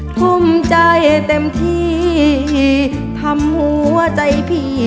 ทุ่มใจเต็มที่ทำหัวใจพี่